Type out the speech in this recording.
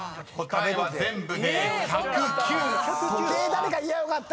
誰か言やぁよかった。